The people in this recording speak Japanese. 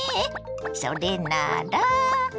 それなら。